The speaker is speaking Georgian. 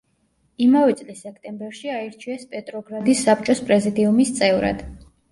იმავე წლის სექტემბერში აირჩიეს პეტროგრადის საბჭოს პრეზიდიუმის წევრად.